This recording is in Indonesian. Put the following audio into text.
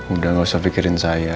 udah gak usah pikirin saya